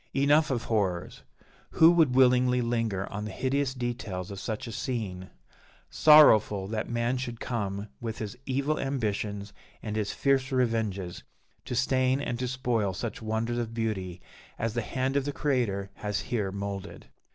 Enough of horrors! Who would willingly linger on the hideous details of such a scene? Sorrowful that man should come, with his evil ambitions and his fierce revenges, to stain and to spoil such wonders of beauty as the hand of the Creator has here moulded.